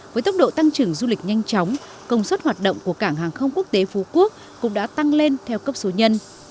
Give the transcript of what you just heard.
với tốc độ tăng trưởng du lịch nhanh chóng công suất hoạt động của cảng hàng không quốc tế phú quốc cũng đã tăng lên theo cấp số nhân